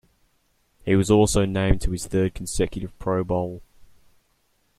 He was also named to his third-consecutive Pro Bowl.